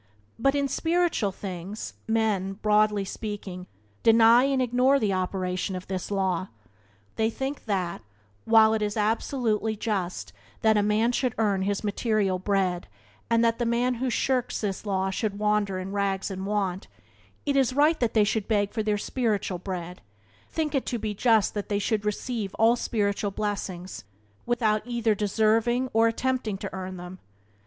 But in spiritual things men, broadly speaking, deny and ignore the operation of this law. They think that, while it is absolutely just that a man should earn his material bread, and that the man who shirks this law should wander in rags and want, it is right that they should beg for their spiritual bread, think it to be just that they should receive all spiritual blessings without either deserving or attempting to earn them.